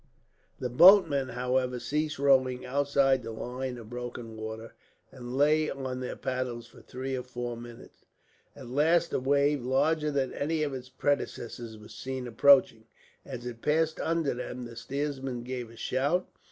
The boatmen, however, ceased rowing outside the line of broken water, and lay on their paddles for three or four minutes. At last a wave, larger than any of its predecessors, was seen approaching. As it passed under them, the steersman gave a shout.